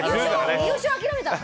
優勝諦めたの？